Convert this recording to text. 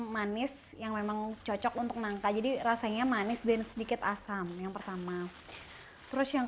manis yang memang cocok untuk nangka jadi rasanya manis dan sedikit asam yang pertama terus yang